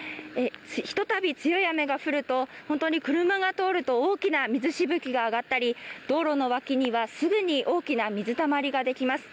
一たび強い雨が降ると、車が通ると大きな水しぶきが上がったり道路の脇にはすぐに大きな水たまりができます。